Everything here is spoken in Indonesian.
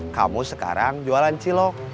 kamu sekarang jualan cilok